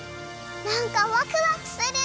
なんかワクワクする！